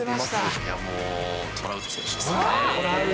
もう、トラウト選手ですね。